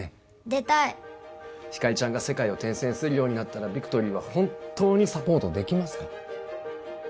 出たいひかりちゃんが世界を転戦するようになったらビクトリーは本当にサポートできますか？